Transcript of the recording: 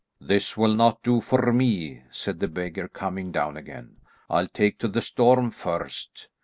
"This will not do for me," said the beggar, coming down again. "I'll take to the storm first.